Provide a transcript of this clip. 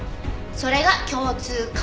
それが共通顔？